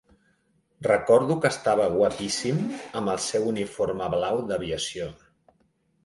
Recordo que estava guapíssim amb el seu uniforme blau d'aviació.